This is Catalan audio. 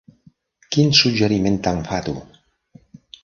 Quin suggeriment tan fatu!